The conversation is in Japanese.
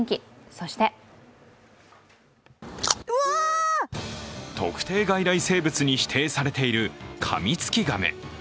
そして特定外来生物に指定されているカミツキガメ。